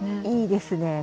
いいですね。